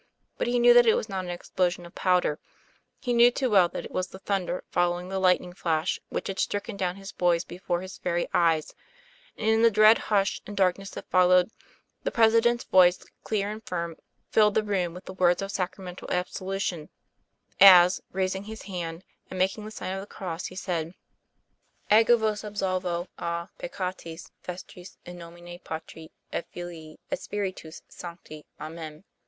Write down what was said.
But he knew that it was not an explosion of powder; he knew too well that it was the thunder following the lightning flash which had stricken down his boys before his very eyes; and, in the dread hush and darkness that followed, the Pres ident's voice, clear and firm, filled the room with the words of sacramental absolution, as, raising his hand and making the sign of the cross, he said: 4 ' Ego vos absolvo a peccatis vestris in nomine Patris et Filii et Spiritus Sancti. Amen."